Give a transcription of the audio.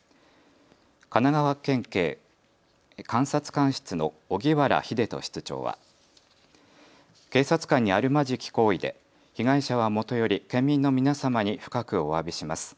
神奈川県警監察官室の荻原英人室長は警察官にあるまじき行為で被害者はもとより県民の皆様に深くおわびします。